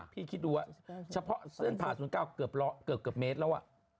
คิดดูว่าเฉพาะเส้นผ่าศูนย์กลางเกือบเมตรแล้ว